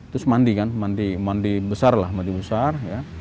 terus mandi kan mandi mandi besar lah mandi besar